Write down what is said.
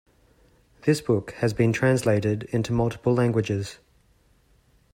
This book has been translated into multiple languages.